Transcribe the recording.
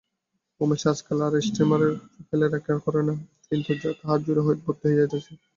উমেশ আজকাল আর steamer fail করে না, কিন্তু তাহার ঝুড়ি ভর্তি হইয়া আসে।